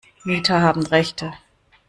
Mieter haben Rechte.